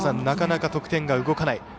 なかなか得点が動かない。